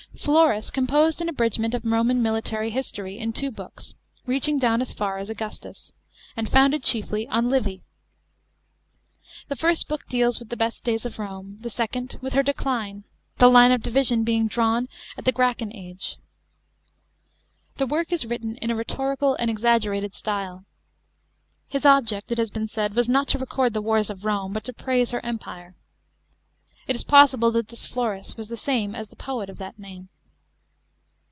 FLORUS composed an abridgment of Roman military history f in two books, reaching down as far as Augustus, and founded chiefly on Livy. The first book deals with the best days of Rome, the second with her decline, the line of division being drawn at the Gracchatj age. The work is written in a rhetorical and exaggt rated style. His objec', it has been said, was " not to record the wars ot Rome, but to praise her empire." It is possible that this Florus was the same as the poet of that name.